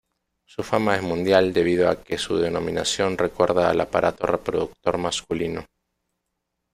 Su fama es mundial debido a que su denominación recuerda al aparato reproductor masculino.